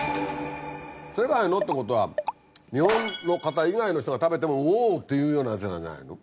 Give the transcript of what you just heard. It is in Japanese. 「世界の」ってことは日本の方以外の人が食べても「おぉ！」っていうようなやつなんじゃないの？